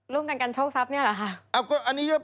ร่วมกันกันโชคทรัพย์นี้หรือครับ